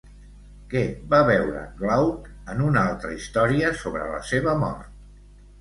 Què va beure Glauc en una altra història sobre la seva mort?